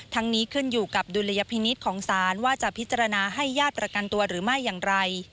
นี้ขึ้นอยู่กับดุลยพินิษฐ์ของศาลว่าจะพิจารณาให้ญาติประกันตัวหรือไม่อย่างไร